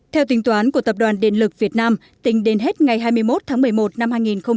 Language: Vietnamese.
theo tính toán của tập đoàn điện lực việt nam tính đến hết ngày hai mươi một tháng một mươi một năm hai nghìn một mươi chín